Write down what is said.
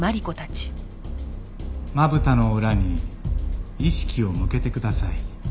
まぶたの裏に意識を向けてください。